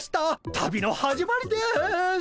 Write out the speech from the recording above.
旅の始まりです。